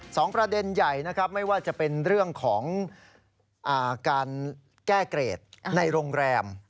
สองประเด็นใหญ่นะครับไม่ว่าจะเป็นเรื่องของการแก้เกรดในโรงแรม